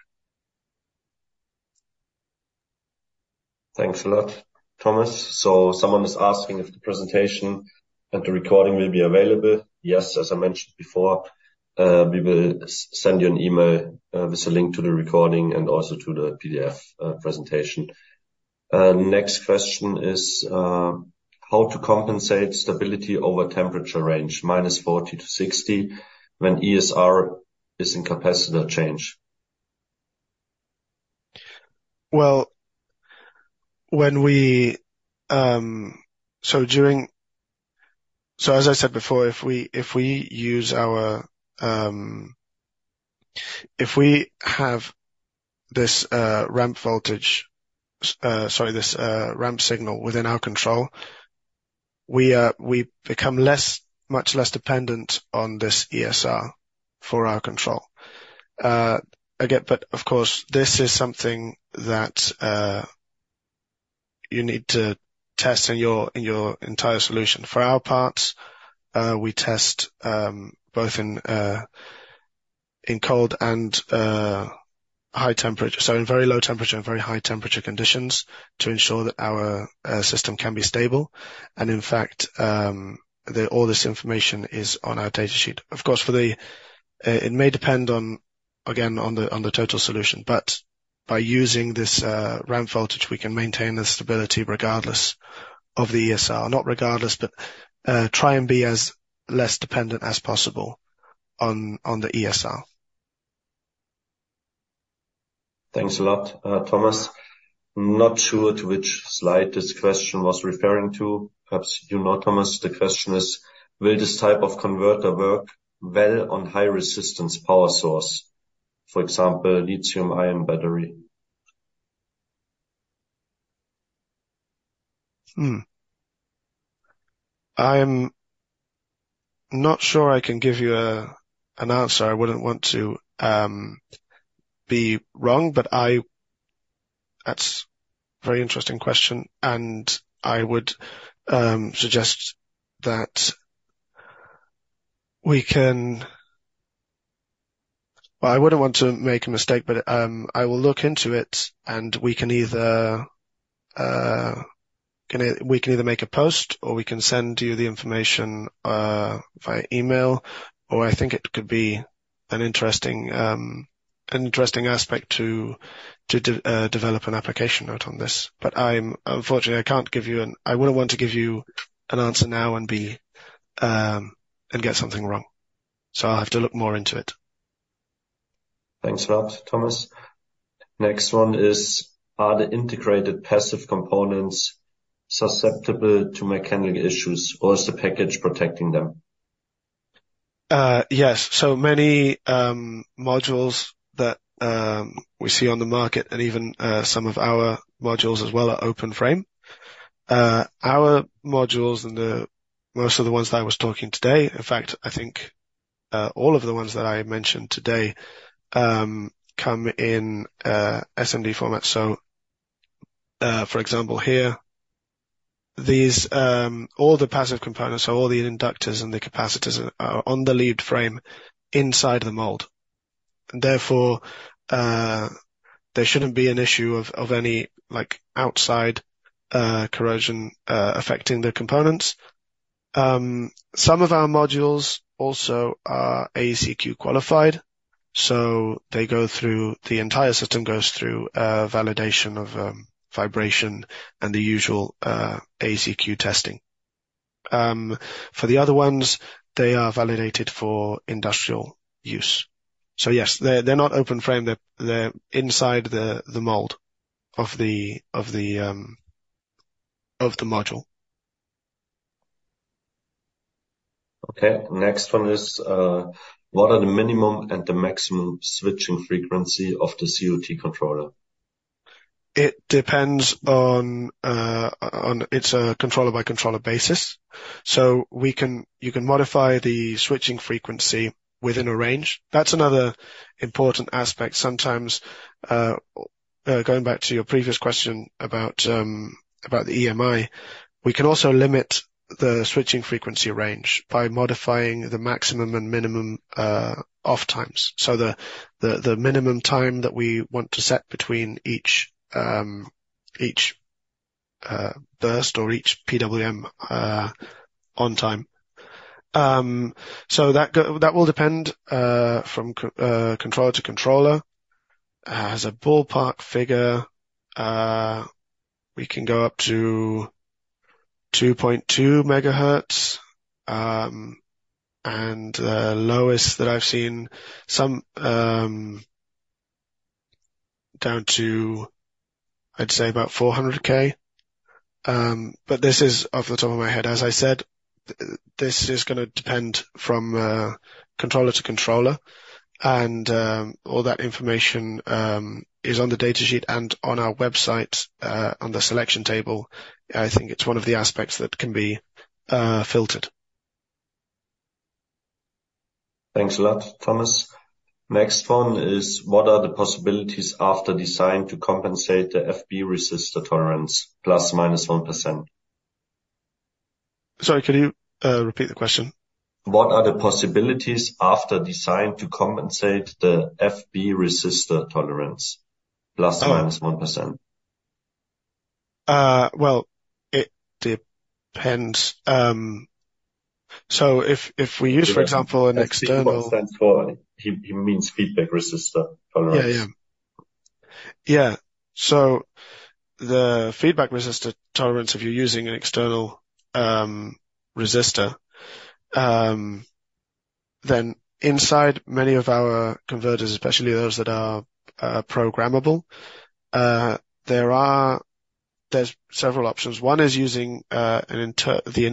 Thanks a lot, Tomás. So someone is asking if the presentation and the recording will be available. Yes, as I mentioned before, we will send you an email with a link to the recording and also to the PDF presentation. Next question is: How to compensate stability over temperature range, -40°-60°, when ESR is in capacitor change? Well, when we... So as I said before, if we use our, if we have this, ramp voltage, sorry, this, ramp signal within our control, we, we become much less dependent on this ESR for our control. Again, but of course, this is something that you need to test in your entire solution. For our parts, we test both in cold and high temperature. So in very low temperature and very high temperature conditions, to ensure that our system can be stable. And in fact, all this information is on our data sheet. Of course, it may depend on, again, on the total solution, but by using this ramp signal, we can maintain the stability regardless of the ESR. Not regardless, but try and be as less dependent as possible on the ESR.... Thanks a lot, Tomás. Not sure to which slide this question was referring to. Perhaps you know, Tomás, the question is: Will this type of converter work well on high resistance power source, for example, lithium-ion battery? Hmm. I'm not sure I can give you an answer. I wouldn't want to be wrong, but I-- That's a very interesting question, and I would suggest that we can. Well, I wouldn't want to make a mistake, but I will look into it, and we can either make a post, or we can send you the information via email, or I think it could be an interesting aspect to develop an application note on this. But unfortunately, I can't give you an answer. I wouldn't want to give you an answer now and get something wrong. So I'll have to look more into it. Thanks a lot, Tomás. Next one is: Are the integrated passive components susceptible to mechanical issues, or is the package protecting them? Yes. So many modules that we see on the market and even some of our modules as well are open frame. Our modules and the most of the ones that I was talking today, in fact, I think all of the ones that I mentioned today come in SMD format. So, for example, here, these all the passive components, so all the inductors and the capacitors are on the lead frame inside the mold, and therefore there shouldn't be an issue of any, like, outside corrosion affecting the components. Some of our modules also are AEC-Q qualified, so the entire system goes through validation of vibration and the usual AEC-Q testing. For the other ones, they are validated for industrial use. So yes, they're not open frame. They're inside the mold of the module. Okay, next one is: What are the minimum and the maximum switching frequency of the COT controller? It depends on. It's a controller-by-controller basis, so we can-- you can modify the switching frequency within a range. That's another important aspect. Sometimes, going back to your previous question about the EMI, we can also limit the switching frequency range by modifying the maximum and minimum off times. So the minimum time that we want to set between each burst or each PWM on time. That will depend from controller to controller. As a ballpark figure, we can go up to 2.2 MHz, and the lowest that I've seen down to, I'd say about 400 kHz. But this is off the top of my head. As I said, this is gonna depend from controller to controller, and all that information is on the datasheet and on our website on the selection table. I think it's one of the aspects that can be filtered. Thanks a lot, Tomás. Next one is: What are the possibilities after design to compensate the FB resistor tolerance, ±1%? Sorry, could you repeat the question? What are the possibilities after design to compensate the FB resistor tolerance, ±1%? Well, it depends. So if we use, for example, an external- He means feedback resistor tolerance. Yeah, yeah. Yeah, so the feedback resistor tolerance, if you're using an external resistor, then inside many of our converters, especially those that are programmable, there are several options. One is using the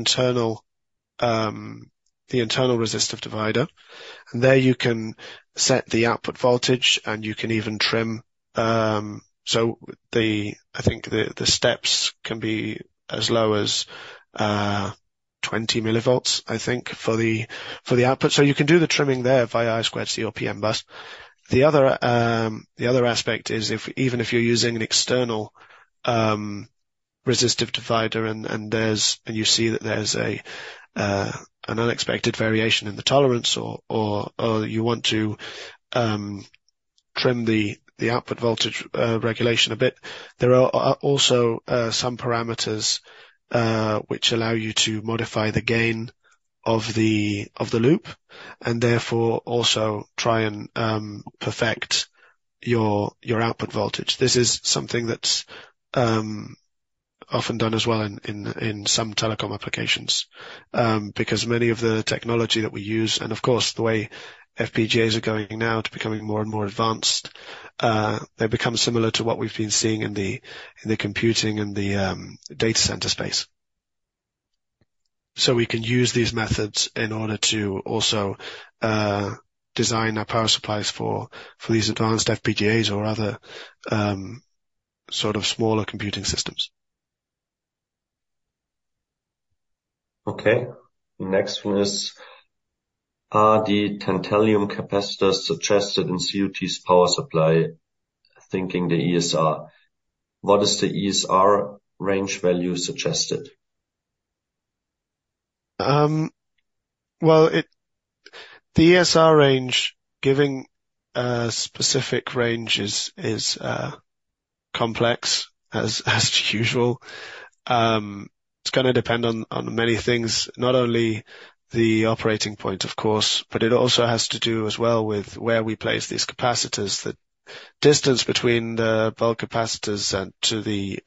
internal resistive divider, and there you can set the output voltage, and you can even trim. So the steps can be as low as 20 mVs, I think, for the output. So you can do the trimming there via I²C or PMBus. The other aspect is if even if you're using an external resistive divider and you see that there's an unexpected variation in the tolerance or you want to trim the output voltage regulation a bit, there are also some parameters which allow you to modify the gain of the loop, and therefore, also try and perfect your output voltage. This is something that's often done as well in some telecom applications. Because many of the technology that we use, and of course, the way FPGAs are going now to becoming more and more advanced, they become similar to what we've been seeing in the computing and the data center space. So we can use these methods in order to also design our power supplies for these advanced FPGAs or other sort of smaller computing systems. Okay, next one is: Are the tantalum capacitors suggested in COT power supply, thinking the ESR? What is the ESR range value suggested? Well, the ESR range, giving a specific range is complex, as usual. It's gonna depend on many things, not only the operating point, of course, but it also has to do as well with where we place these capacitors. The distance between the bulk capacitors and to the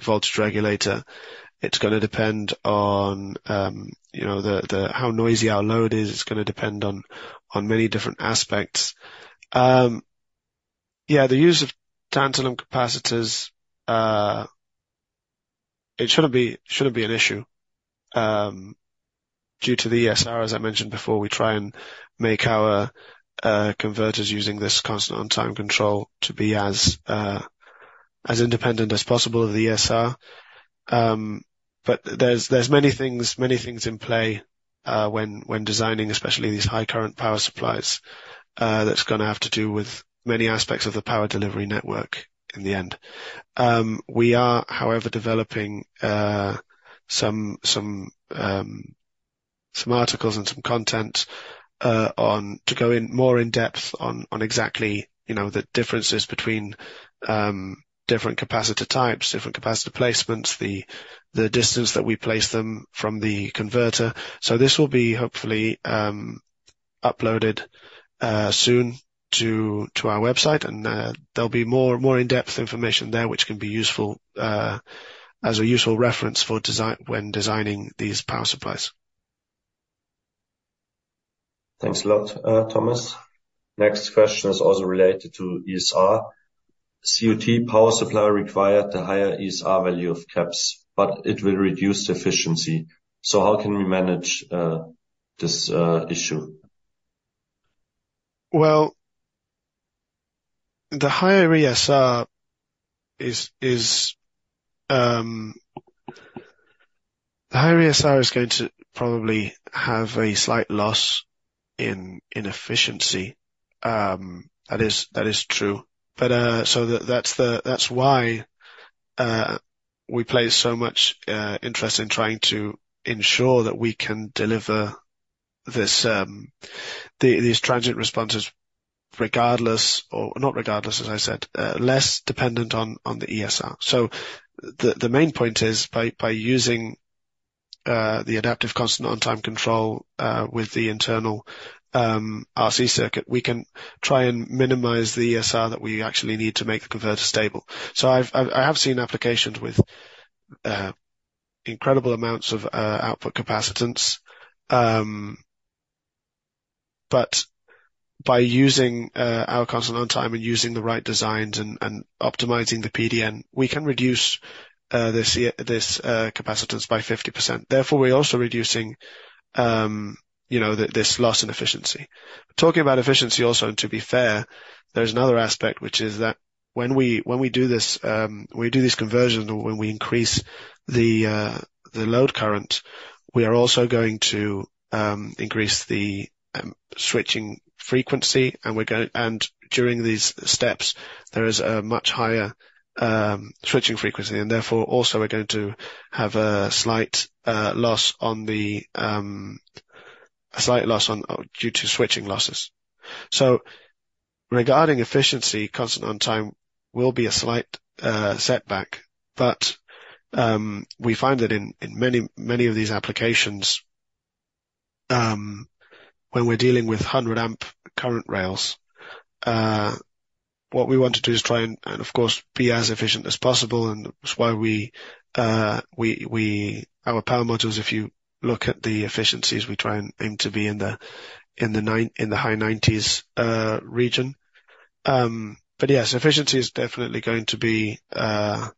voltage regulator. It's gonna depend on, you know, how noisy our load is. It's gonna depend on many different aspects. Yeah, the use of tantalum capacitors, it shouldn't be an issue due to the ESR, as I mentioned before, we try and make our converters using this constant on-time control to be as independent as possible of the ESR. But there's many things in play when designing, especially these high current power supplies, that's gonna have to do with many aspects of the power delivery network in the end. We are, however, developing some articles and some content on to go in more depth on exactly, you know, the differences between different capacitor types, different capacitor placements, the distance that we place them from the converter. So this will be hopefully uploaded soon to our website, and there'll be more in-depth information there, which can be useful as a useful reference for designing these power supplies. Thanks a lot, Tomás. Next question is also related to ESR. COT power supply require the higher ESR value of caps, but it will reduce the efficiency. So how can we manage this issue? Well, the higher ESR is going to probably have a slight loss in efficiency. That is true, but so that's why we place so much interest in trying to ensure that we can deliver these transient responses, regardless, or not regardless, as I said, less dependent on the ESR. So the main point is by using the adaptive constant on-time control with the internal RC circuit, we can try and minimize the ESR that we actually need to make the converter stable. So I have seen applications with incredible amounts of output capacitance, but by using our constant on-time and using the right designs and optimizing the PDN, we can reduce this capacitance by 50%. Therefore, we're also reducing, you know, this loss in efficiency. Talking about efficiency also, and to be fair, there's another aspect, which is that when we do this, we do these conversions, or when we increase the load current, we are also going to increase the switching frequency, and we're going and during these steps, there is a much higher switching frequency, and therefore, also we're going to have a slight loss on the a slight loss on due to switching losses. Regarding efficiency, constant on-time will be a slight setback, but we find that in many of these applications, when we're dealing with 100-amp current rails, what we want to do is try and of course be as efficient as possible. And that's why our power modules, if you look at the efficiencies, we try and aim to be in the high 90s region. But yes, efficiency is definitely going to be an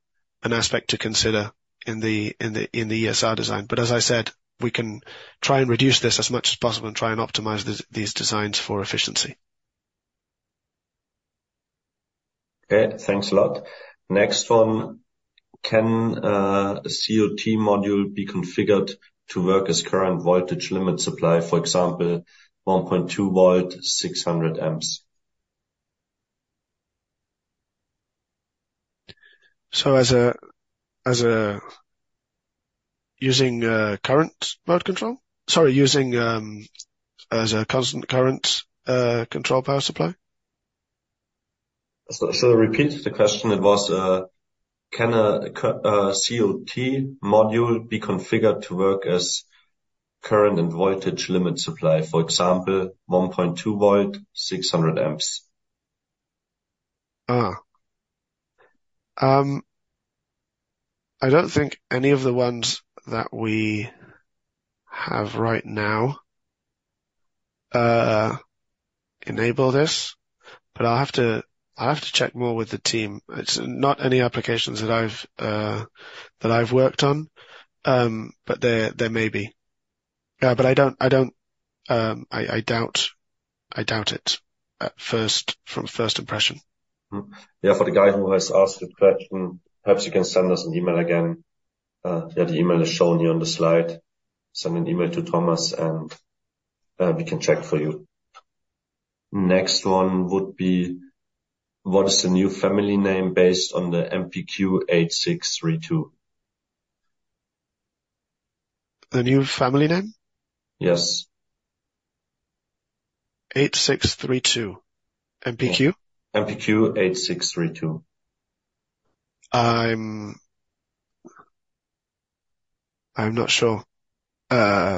aspect to consider in the ESR design. But as I said, we can try and reduce this as much as possible and try and optimize these designs for efficiency. Okay, thanks a lot. Next one: Can a COT module be configured to work as current voltage limit supply, for example, 1.2 volt, 600 A? Using current mode control? Sorry, using as a constant current control power supply? So, repeat the question. It was, can a COT module be configured to work as current and voltage limit supply, for example, 1.2 V, 600 A? I don't think any of the ones that we have right now enable this, but I'll have to, I'll have to check more with the team. It's not any applications that I've, that I've worked on, but there, there may be. But I don't, I don't, I, I doubt, I doubt it at first, from first impression. Yeah, for the guy who has asked the question, perhaps you can send us an email again. Yeah, the email is shown here on the slide. Send an email to Tomás, and we can check for you. Next one would be: What is the new family name based on the MPQ8632? The new family name? Yes. MPQ8632? MPQ8632. I'm not sure. The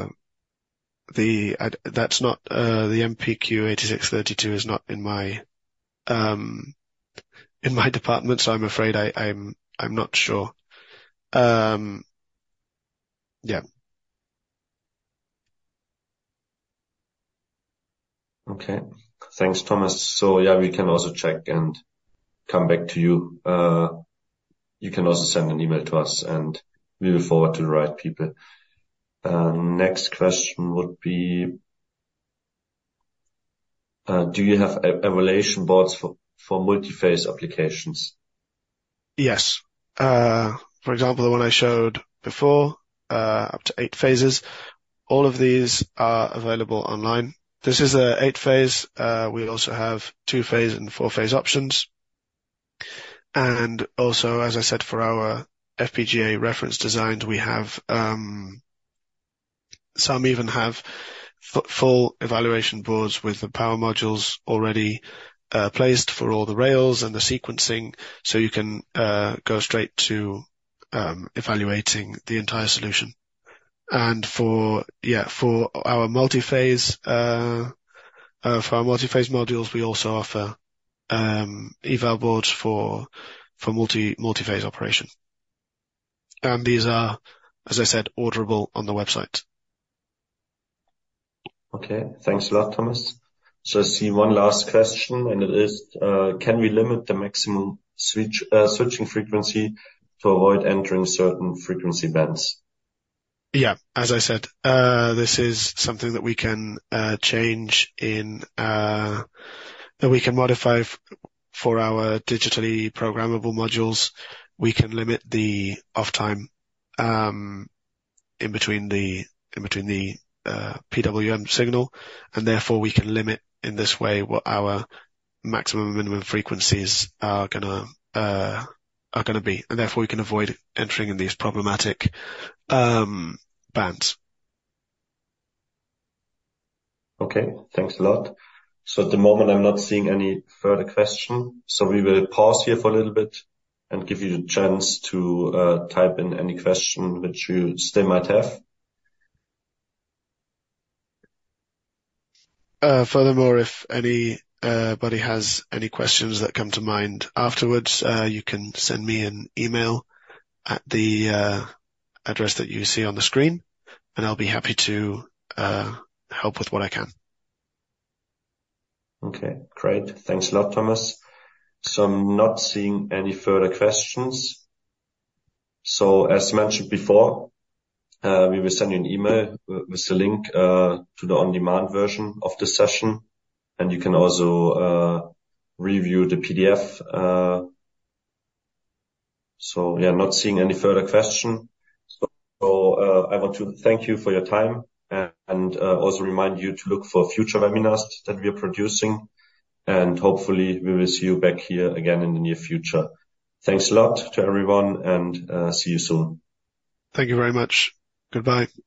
MPQ8632 is not in my department, so I'm afraid I'm not sure. Yeah. Okay. Thanks, Tomás. So, yeah, we can also check and come back to you. You can also send an email to us, and we will forward to the right people. Next question would be, do you have evaluation boards for multi-phase applications? Yes. For example, the one I showed before, up to eight phases, all of these are available online. This is a eight-phase. We also have two-phase and four-phase options. And also, as I said, for our FPGA reference designs, we have, some even have full evaluation boards with the power modules already, placed for all the rails and the sequencing, so you can, go straight to, evaluating the entire solution. And for, yeah, for our multi-phase modules, we also offer, eval boards for multi-phase operation. And these are, as I said, orderable on the website. Okay. Thanks a lot, Tomás. So I see one last question, and it is: Can we limit the maximum switch, switching frequency to avoid entering certain frequency bands? Yeah. As I said, this is something that we can change in that we can modify for our digitally programmable modules. We can limit the off time in between the PWM signal, and therefore, we can limit, in this way, what our maximum and minimum frequencies are gonna be, and therefore, we can avoid entering in these problematic bands. Okay. Thanks a lot. So at the moment, I'm not seeing any further question, so we will pause here for a little bit and give you the chance to type in any question which you still might have. Furthermore, if anybody has any questions that come to mind afterwards, you can send me an email at the address that you see on the screen, and I'll be happy to help with what I can. Okay, great. Thanks a lot, Tomás. So I'm not seeing any further questions. So as mentioned before, we will send you an email with a link to the on-demand version of this session, and you can also review the PDF. So we are not seeing any further question. So, I want to thank you for your time and also remind you to look for future webinars that we are producing, and hopefully, we will see you back here again in the near future. Thanks a lot to everyone, and see you soon. Thank you very much. Goodbye.